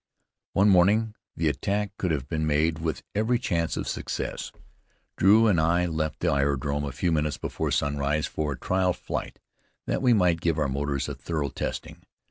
One morning, the attack could have been made with every chance of success. Drew and I left the aerodrome a few minutes before sunrise for a trial flight, that we might give our motors a thorough testing.